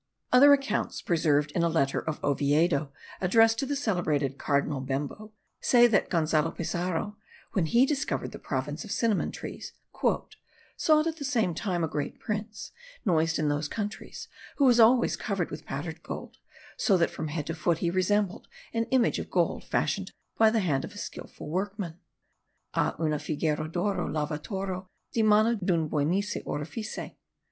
Other accounts, preserved in a letter of Oviedo addressed to the celebrated cardinal Bembo, say that Gonzalo Pizarro, when he discovered the province of cinnamon trees, "sought at the same time a great prince, noised in those countries, who was always covered with powdered gold, so that from head to foot he resembled an image of gold fashioned by the hand of a skilful workman (a una figura d'oro lavorato di mano d'un buonissimo orefice).